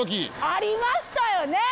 ありましたよねえ？